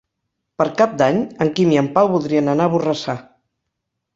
Per Cap d'Any en Quim i en Pau voldrien anar a Borrassà.